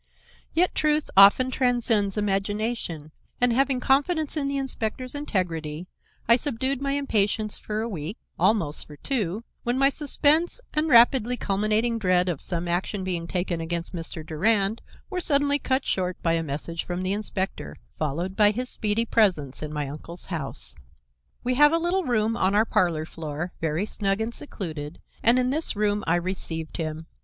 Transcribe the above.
Yet truth often transcends imagination, and, having confidence in the inspector's integrity, I subdued my impatience for a week, almost for two, when my suspense and rapidly culminating dread of some action being taken against Mr. Durand were suddenly cut short by a message from the inspector, followed by his speedy presence in my uncle's house. We have a little room on our parlor floor, very snug and secluded, and in this room I received him.